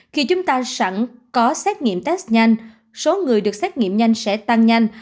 khi chúng ta sẵn có xét nghiệm test nhanh số người được xét nghiệm nhanh sẽ tăng nhanh